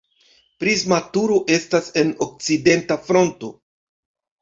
Prisma turo estas en okcidenta fronto.